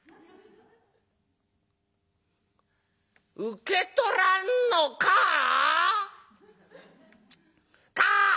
「『受け取らんのか』？か！